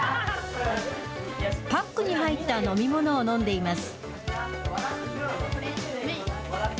パックに入った飲み物を飲んでいます。